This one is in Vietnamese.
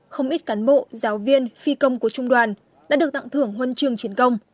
không ít cán bộ giáo viên phi công của trung đoàn đã được tặng thưởng huân trường chiến công